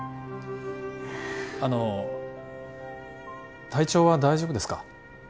あの体調は大丈夫ですか？